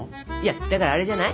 だからあれじゃない？